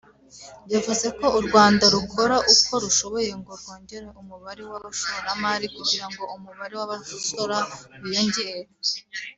yavuze ko u Rwanda rukora uko rushoboye ngo rwongere umubare w’abashoramari kugira umubare w’abasora wiyongere